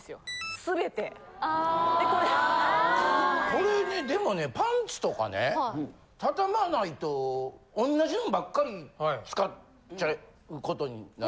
これねでもねパンツとかね畳まないと同じのばっかり使っちゃうことにならない？